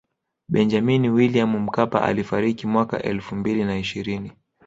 Benjamini Williamu Mkapa alifariki mwaka elfu mbili na ishirini